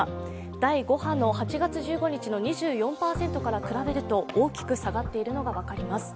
第５波の８月１５日の２４％から大きく下がっているのが分かります。